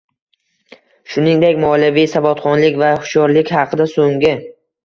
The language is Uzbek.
Shuningdek, moliyaviy savodxonlik va hushyorlik haqida So'nggi